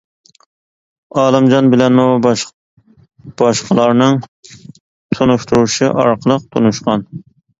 ئالىمجان بىلەنمۇ باشقىلارنىڭ تونۇشتۇرۇشى ئارقىلىق تونۇشقان.